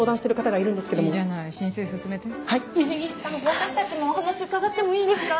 私たちもお話伺ってもいいですか？